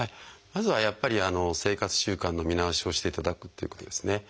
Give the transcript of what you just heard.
まずはやっぱり生活習慣の見直しをしていただくっていうことですね。